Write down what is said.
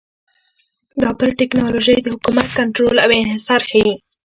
دا پر ټکنالوژۍ د حکومت کنټرول او انحصار ښيي